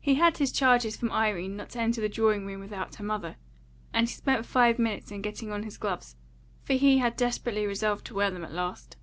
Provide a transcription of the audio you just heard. He had his charges from Irene not to enter the drawing room without her mother, and he spent five minutes in getting on his gloves, for he had desperately resolved to wear them at last.